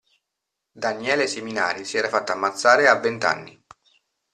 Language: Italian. Daniele Seminari si era fatto ammazzare a vent'anni.